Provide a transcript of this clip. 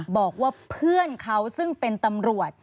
บอกว่าเพื่อนเขาซึ่งเป็นตำรวจ